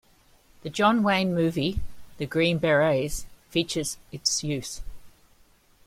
The John Wayne movie "The Green Berets" features its use.